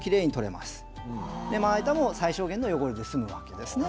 まな板も最小限の汚れで済むわけですね。